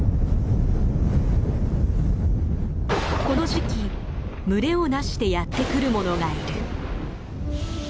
この時期群れをなしてやって来るものがいる。